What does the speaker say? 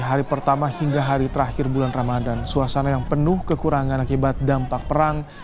hari pertama hingga hari terakhir bulan ramadan suasana yang penuh kekurangan akibat dampak perang